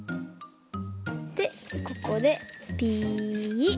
でここでピッ。